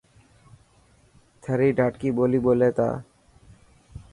ٿري ڌاٽڪي ٻولي ٻولي ٿا.